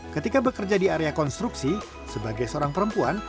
ketika bekerja di area konstruksi sebagai seorang perempuan